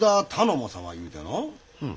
うん。